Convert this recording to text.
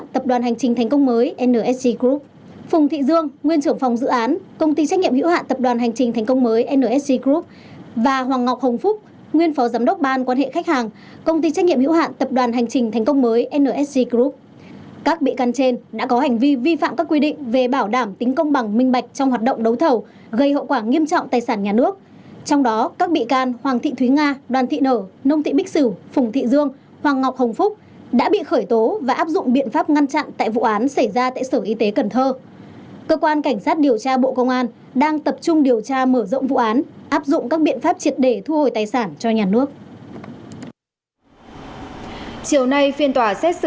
tập đoàn hành trình thành công mới nsg group nguyên phó trưởng phòng dự án công ty trách nhiệm hữu hạn tập đoàn hành trình thành công mới nsg group phùng thị dương nguyên trưởng phòng dự án công ty trách nhiệm hữu hạn tập đoàn hành trình thành công mới nsg group phùng thị dương nguyên trưởng phòng dự án công ty trách nhiệm hữu hạn tập đoàn hành trình thành công mới nsg group phùng thị dương nguyên trưởng phòng dự án công ty trách nhiệm hữu hạn tập đoàn hành trình thành công mới nsg group phùng thị dương nguyên trưởng ph